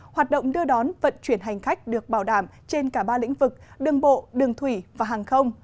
hoạt động đưa đón vận chuyển hành khách được bảo đảm trên cả ba lĩnh vực đường bộ đường thủy và hàng không